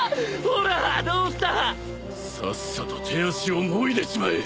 さっさと手足をもいでしまえ。